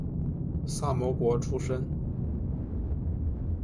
萨摩国出身。